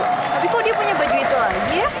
tapi kok dia punya baju itu lagi ya